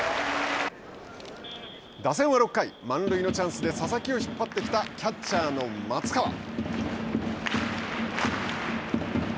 打線は６回満塁のチャンスで佐々木を引っ張ってきたキャッチャーの松川。